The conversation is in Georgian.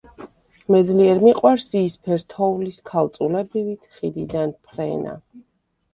მე ძლიერ მიყვარს იისფერ თოვლის ქალწულებივით ხიდიდან ფრენა.